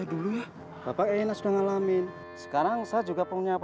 aduh pucuk dicinta ulam pun tiba